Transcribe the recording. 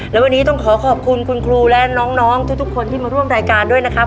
และวันนี้ต้องขอขอบคุณคุณครูและน้องทุกคนที่มาร่วมรายการด้วยนะครับ